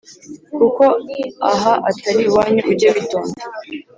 kuko aha atari iwanyu ujye witonda